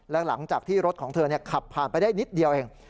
และหลังจากที่รถของเธอขับผ่านไปได้นิดเดียวเอง